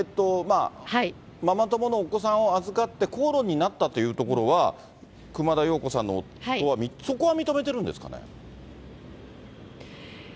ママ友のお子さんを預かって口論になったというところは、熊田曜子さんの夫は、そこは認めてるんですかね？